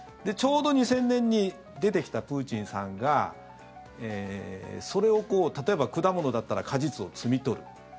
ちょうど２０００年に出てきたプーチンさんがそれを、例えば果物だったら果実を摘み取る。